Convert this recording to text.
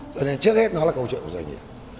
cho nên trước hết nó là câu chuyện của doanh nghiệp